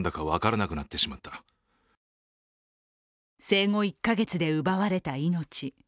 生後１カ月で奪われた命。